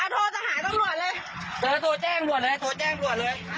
อ่าโทรสหารต้องรวดเลยโทรแจ้งรวดเลยโทรแจ้งรวดเลย